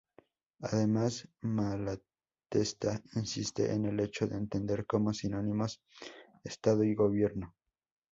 Además, Malatesta insiste en el hecho de entender como sinónimos Estado y gobierno.